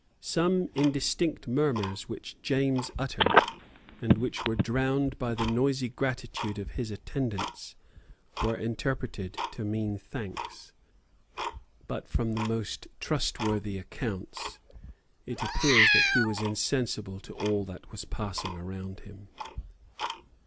Some indistinct murmurs which James uttered, and which were drowned by the noisy gratitude of his attendants, were interpreted to mean thanks. But from the most trustworthy accounts it appears that he was insensible to all that was passing around him.